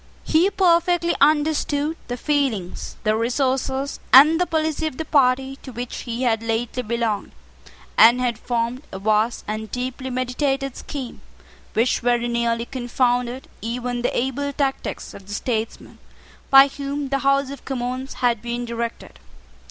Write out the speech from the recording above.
He perfectly understood the feelings, the resources, and the policy of the party to which he had lately belonged, and had formed a vast and deeply meditated scheme which very nearly confounded even the able tactics of the statesmen by whom the House of Commons had been directed.